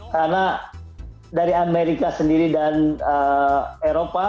karena dari amerika sendiri dan eropa